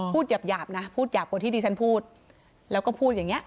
หยาบนะพูดหยาบกว่าที่ดิฉันพูดแล้วก็พูดอย่างเงี้